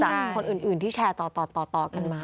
คนอื่นที่แชร์ต่อกันมา